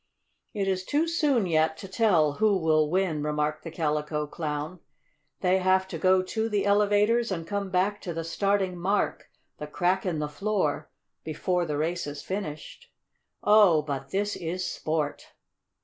"It is too soon, yet, to tell who will win," remarked the Calico Clown. "They have to go to the elevators and come back to the starting mark the crack in the floor before the race is finished. Oh, but this is sport!"